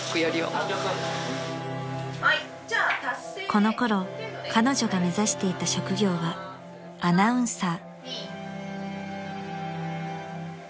［このころ彼女が目指していた職業はアナウンサー］